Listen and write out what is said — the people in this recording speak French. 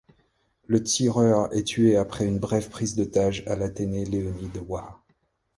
Le tireur est tué après une brève prise d'otage à l'Athénée Léonie de Waha.